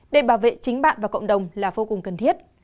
để bảo vệ chính bạn và cộng đồng là vô cùng cần thiết